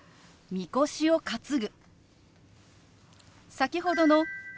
「みこしを担ぐ」。